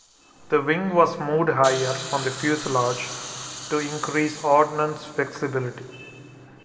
The wing was moved higher on the fuselage to increase ordnance flexibility.